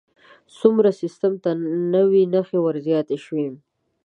سومري سیستم ته نوې نښې ور زیاتې شوې.